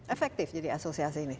efektif jadi asosiasi ini